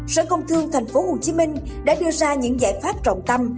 sở công thương tp hcm đã đưa ra những giải pháp trọng tâm